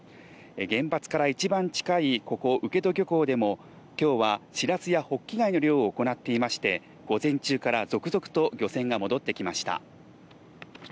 原発から一番近いここ請戸漁港でも今日はシラスやホッキ貝の漁を行っていまして午前中から続々と漁船が戻ってきました。